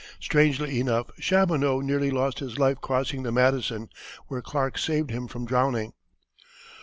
Strangely enough Chaboneau nearly lost his life crossing the Madison, where Clark saved him from drowning.